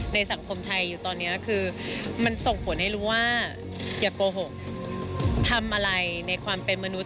สังคมไทยอยู่ตอนนี้คือมันส่งผลให้รู้ว่าอย่าโกหกทำอะไรในความเป็นมนุษย